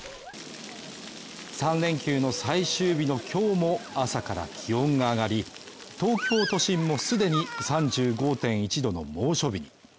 ３連休の最終日の今日も朝から気温が上がり、東京都心も既に３５．１度の猛暑日に。